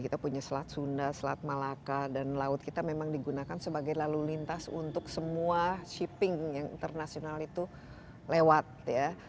kita punya selat sunda selat malaka dan laut kita memang digunakan sebagai lalu lintas untuk semua shipping yang internasional itu lewat ya